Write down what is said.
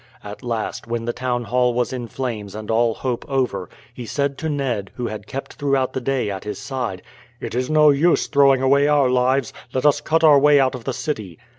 At last, when the town hall was in flames and all hope over, he said to Ned, who had kept throughout the day at his side: "It is no use throwing away our lives. Let us cut our way out of the city."